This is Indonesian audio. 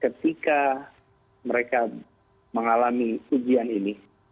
ketika mereka mengalami ujian ini